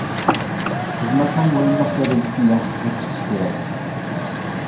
خىزمەتنىڭ مۇھىملىق دەرىجىسىنى ياخشى تىزىپ چىقىش كېرەك.